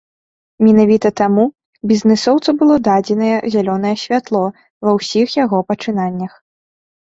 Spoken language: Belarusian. Менавіта таму бізнэсоўцу было дадзенае зялёнае святло ва ўсіх яго пачынаннях.